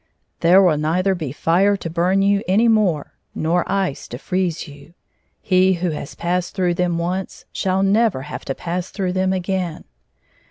" There will neither be fire to bum you any more nor ice to freeze you. He who has passed through them once, shall never have to pass through them again."